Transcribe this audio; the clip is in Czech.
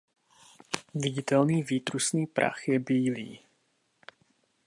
Viditelný výtrusný prach je bílý.